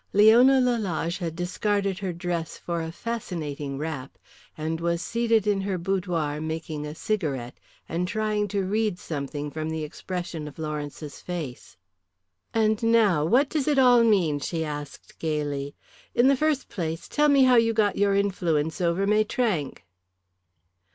Leona Lalage had discarded her dress for a fascinating wrap, and was seated in her boudoir making a cigarette and trying to read something from the expression of Lawrence's face. "And now what does it all mean?" she asked gaily. "In the first place, tell me how you got your influence over Maitrank."